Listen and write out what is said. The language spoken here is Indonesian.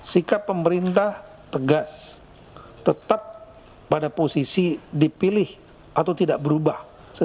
sikap pemerintah tegas tetap pada posisi dipilih atau tidak berubah